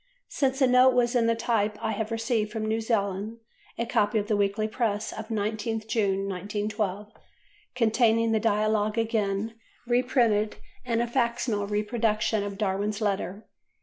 Since the note was in type I have received from New Zealand a copy of the Weekly Press of 19th June, 1912, containing the Dialogue again reprinted and a facsimile reproduction of Darwin's letter.